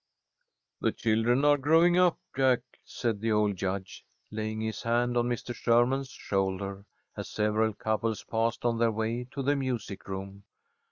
"The children are growing up, Jack," said the old Judge, laying his hand on Mr. Sherman's shoulder, as several couples passed on their way to the music room.